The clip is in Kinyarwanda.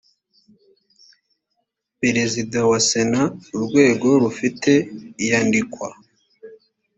perezida wa sena urwego rufite iyandikwa